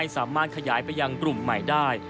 สามารถขยายไปยังกลุ่มใหม่ได้